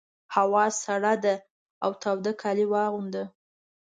هوا سړه ده تاوده کالي واغونده!